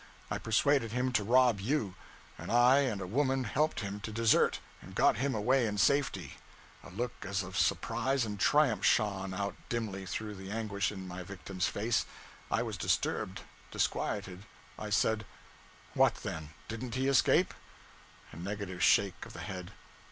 I persuaded him to rob you; and I and a woman helped him to desert, and got him away in safety.' A look as of surprise and triumph shone out dimly through the anguish in my victim's face. I was disturbed, disquieted. I said 'What, then didn't he escape?' A negative shake of the head.